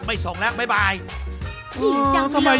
ไม่ส่งแล้วบ๊ายบาย